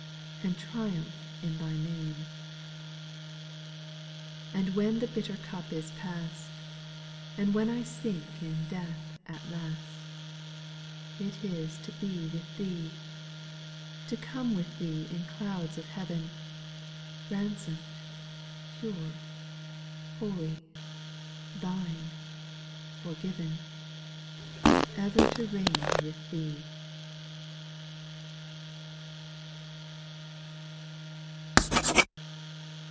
And Triumph in Thy name. ' 4. And when the bitter cup is past, And when I sink in death at last, It is to be with Thee ; To come with Thee in clouds of heaven, Ransom'd, pure, holy, Thine, forgiven, Ever to reign with Thee.